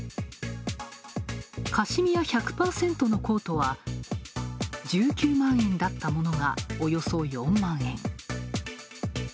カシミア１００％のコートは、１９万だったものが、およそ４万円。